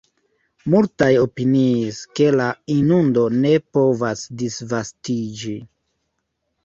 Multaj opiniis, ke la inundo ne povas disvastiĝi.